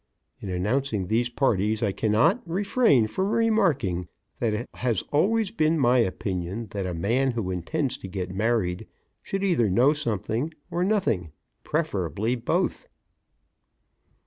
In announcing these parties I cannot refrain from remarking that it has always been my opinion that a man who intends to get married should either know something or nothing, preferably both.